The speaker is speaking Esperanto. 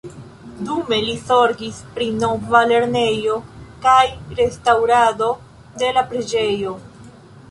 Dume li zorgis pri nova lernejo kaj restaŭrado de la preĝejo.